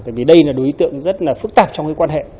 bởi vì đây là đối tượng rất là phức tạp trong cái quan hệ